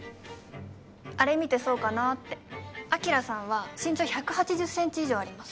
あれ見てそうかなって昭さんは身長１８０センチ以上あります